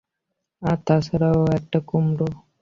আর তাছাড়াও ও একটা কুমড়ো।